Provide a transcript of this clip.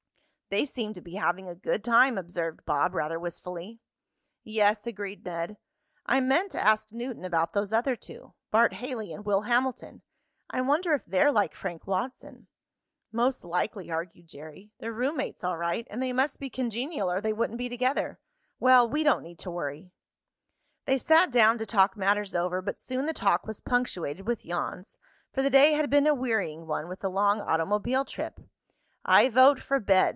"They seem to be having a good time," observed Bob, rather wistfully. "Yes," agreed Ned. "I meant to ask Newton about those other two Bart Haley and Will Hamilton. I wonder if they're like Frank Watson?" "Most likely," argued Jerry. "They're roommates all right, and they must be congenial or they wouldn't be together. Well, we don't need to worry." They sat down to talk matters over, but soon the talk was punctuated with yawns, for the day had been a wearying one with the long automobile trip. "I vote for bed!"